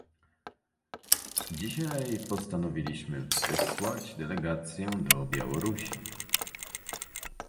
Dzisiaj postanowiliśmy wysłać delegację do Białorusi